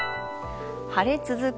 晴れ続く。